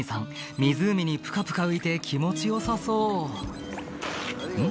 湖にプカプカ浮いて気持ち良さそうん？